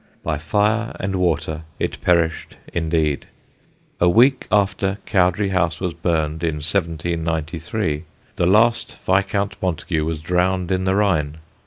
By fire and water it perished indeed. A week after Cowdray House was burned, in 1793, the last Viscount Montagu was drowned in the Rhine.